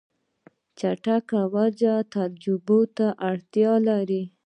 چټک وده تجربه ته اړتیا لري.